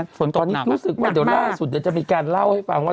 ฝนตกน้ำหนักมากตอนนี้รู้สึกว่าเดี๋ยวล่าสุดจะมีการเล่าให้ฟังว่า